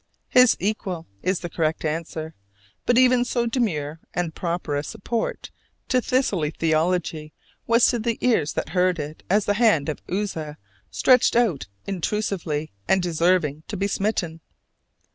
"His equal" is the correct answer: but even so demure and proper a support to thistly theology was to the ears that heard it as the hand of Uzzah stretched out intrusively and deserving to be smitten.